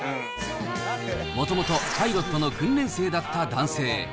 もともとパイロットの訓練生だった男性。